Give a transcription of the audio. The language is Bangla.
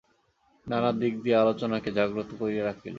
নানা দিক দিয়া এই আলোচনাকে জাগ্রত করিয়া রাখিল।